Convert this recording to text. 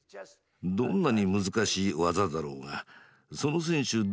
どんなに難しい技だろうがその選手